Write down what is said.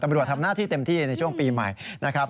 ตำรวจทำหน้าที่เต็มที่ในช่วงปีใหม่นะครับ